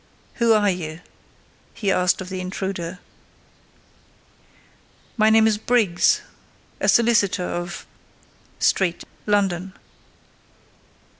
"Who are you?" he asked of the intruder. "My name is Briggs, a solicitor of —— Street, London."